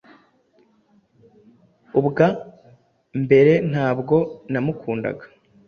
Ubwa mberentabwo namukundaga